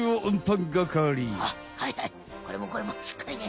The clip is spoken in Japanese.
あっはいはいこれもこれもしっかりね。